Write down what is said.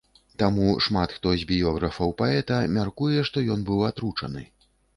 Таму шмат хто з біёграфаў паэта мяркуе, што ён быў атручаны.